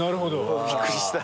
びっくりした。